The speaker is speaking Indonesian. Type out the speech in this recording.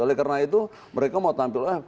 oleh karena itu mereka mau tampil ah